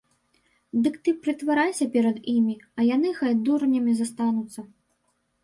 Дык ты прытварайся перад імі, а яны хай дурнямі застануцца.